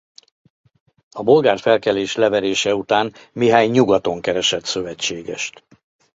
A bolgár felkelés leverése után Mihály nyugaton keresett szövetségest.